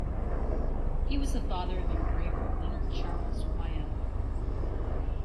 He was the father of engraver Leonard Charles Wyon.